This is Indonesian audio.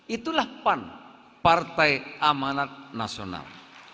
itulah pan partai amanat nasional